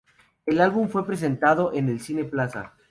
El álbum fue presentado en el Cine Plaza.